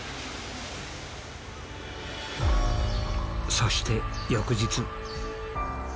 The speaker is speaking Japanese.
そして翌日。